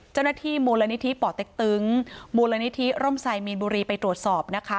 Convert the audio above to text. เจ้าหน้าที่มูลนิธิป่อเต็กตึงมูลนิธิร่มไซมีนบุรีไปตรวจสอบนะคะ